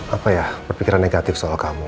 apa ya berpikiran negatif soal kamu